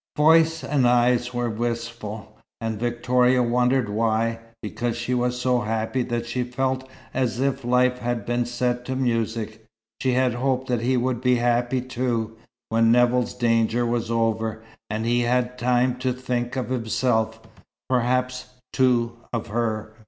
Voice and eyes were wistful, and Victoria wondered why, because she was so happy that she felt as if life had been set to music. She had hoped that he would be happy too, when Nevill's danger was over, and he had time to think of himself perhaps, too, of her.